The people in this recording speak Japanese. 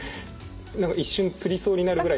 何か一瞬つりそうになるぐらい。